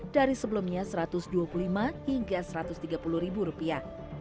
dari sebelumnya satu ratus dua puluh lima hingga satu ratus tiga puluh ribu rupiah